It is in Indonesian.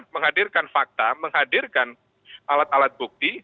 menghadirkan fakta menghadirkan alat alat bukti